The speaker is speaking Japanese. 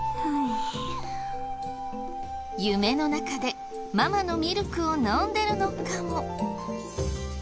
夢の中でママのミルクを飲んでるのかも。